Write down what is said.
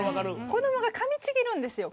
子どもが、かみちぎるんですよ